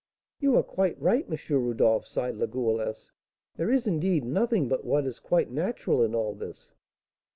"You are quite right, M. Rodolph," sighed La Goualeuse. "There is, indeed, nothing but what is quite natural in all this."